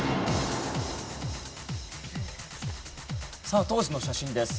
さあ当時の写真です。